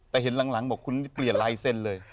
แต่เห็นหลังบอกคุณนี่เปลี่ยนลายเซ็นต์เลย